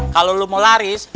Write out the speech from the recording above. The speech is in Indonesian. kalo lu mau laris